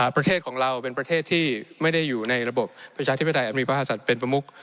ประเทศของเราเป็นประเทศที่ไม่ได้อยู่ในระบบประชาธิปไตยอันมีพระมหาศัตริย์เป็นประมุก